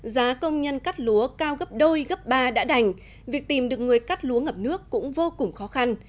giá công nhân cắt lúa cao gấp đôi gấp ba đã đành việc tìm được người cắt lúa ngập nước cũng vô cùng khó khăn